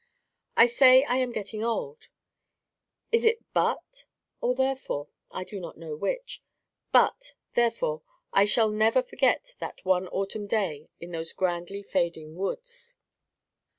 I say I am getting old—(is it BUT or THEREFORE? I do not know which)—but, therefore, I shall never forget that one autumn day in those grandly fading woods.